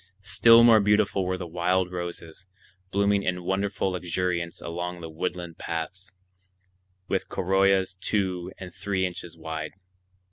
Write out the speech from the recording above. Still more beautiful were the wild roses, blooming in wonderful luxuriance along the woodland paths, with corollas two and three inches wide.